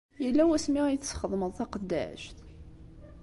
Yella wasmi ay tesxedmeḍ taqeddact?